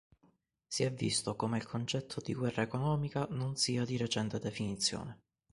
Si è visto come il concetto di guerra economica non sia di recente definizione.